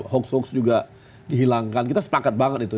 hoax hoax juga dihilangkan kita sepakat banget itu